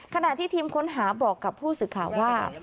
ขณะที่ทีมค้นหาบอกกับผู้สื่อข่าวว่า